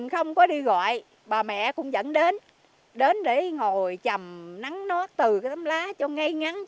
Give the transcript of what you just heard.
không khoan nhượng